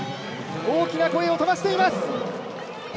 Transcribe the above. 大きな声を飛ばしています！